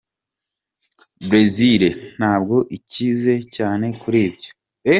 Bresil ntabwo ikize cyane kuri ibyo”.